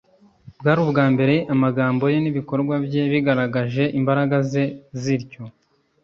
bwari ubwa mbere amagambo ye n’ibikorwa bye bigaragaje imbaraga zikomeye zityo